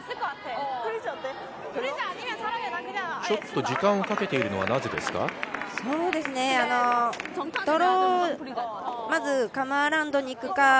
ちょっと時間をかけているのはなぜですか。